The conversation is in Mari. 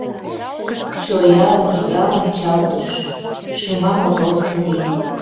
Чоя-лыжга ончалтыш, шыма-мотор чурий.